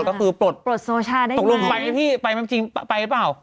ก็คือปลดปลดโซชาได้ไหมตรงรวมไปพี่ไปแม้จริงไปหรือเปล่า